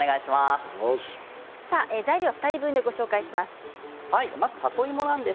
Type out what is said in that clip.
材料は２人分でご紹介します。